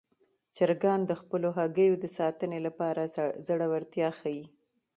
چرګان د خپلو هګیو د ساتنې لپاره زړورتیا ښيي.